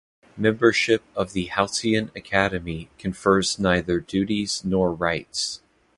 Membership of the Halkyone Academy confers neither duties nor rights.